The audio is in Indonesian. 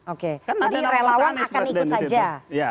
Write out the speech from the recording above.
oke tadi relawan akan ikut saja